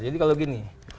jadi kalau gini